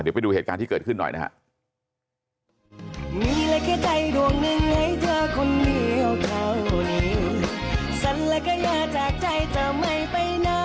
เดี๋ยวไปดูเหตุการณ์ที่เกิดขึ้นหน่อยนะฮะ